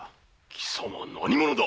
貴様何者だ？